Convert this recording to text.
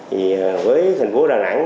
thì với thành phố hà nẵng